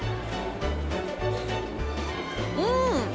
うん！